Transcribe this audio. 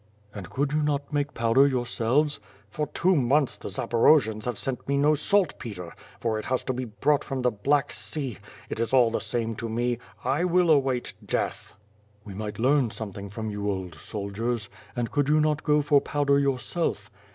'' "And could you not make powder yourselves?" "For two months the Zaporojians have sent me no salt petre, for it has to be brought from the Black Sea. It is all the same to me. I will await death !" "We might Mearn something from you old soldiers. And could you not go for powder yourself?"